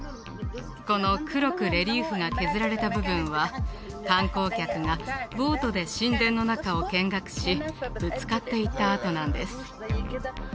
この黒くレリーフが削られた部分は観光客がボートで神殿の中を見学しぶつかっていた痕なんです